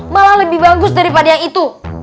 malah lebih bagus daripada yang itu